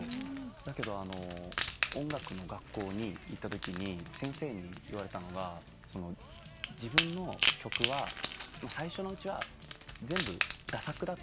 だけど音楽の学校に行ったときに先生に言われたのが「自分の曲は最初のうちは全部駄作だ」と。